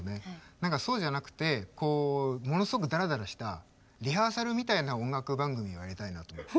何かそうじゃなくてこうものすごくだらだらしたリハーサルみたいな音楽番組をやりたいなと思って。